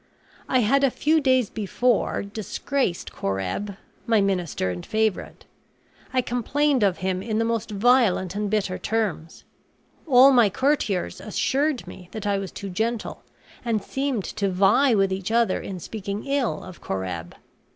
I had a few days before disgraced Coreb, my minister and favorite. I complained of him in the most violent and bitter terms; all my courtiers assured me that I was too gentle and seemed to vie with each other in speaking ill of Coreb.